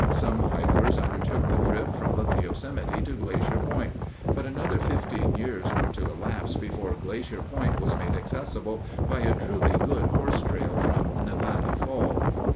Some hikers undertook the trip from Little Yosemite to Glacier Point, but another fifteen years were to elapse before Glacier Point was made accessible by a truly good horse trail from Nevada Fall.